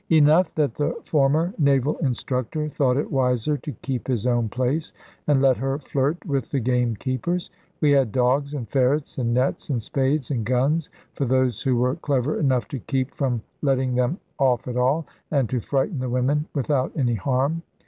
Enough that the former Naval Instructor thought it wiser to keep his own place, and let her flirt with the game keepers. We had dogs, and ferrets, and nets, and spades, and guns for those who were clever enough to keep from letting them off at all, and to frighten the women without any harm.